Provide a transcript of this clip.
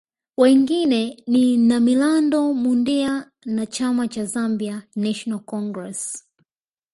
Wengine ni Namilando Mundia wa chama cha Zambia National Congress